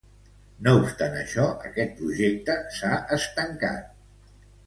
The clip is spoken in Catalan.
No obstant això, aquest projecte s'ha estancat.